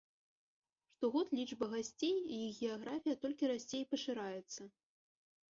Штогод лічба гасцей і іх геаграфія толькі расце і пашыраецца.